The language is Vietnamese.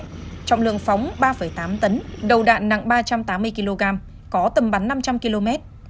trọng lượng phóng ba tám tấn đầu đạn nặng ba trăm tám mươi kg có tầm bắn năm trăm linh km